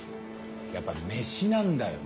やっぱり飯なんだよ